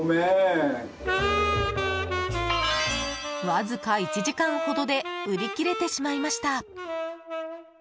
わずか１時間ほどで売り切れてしまいました。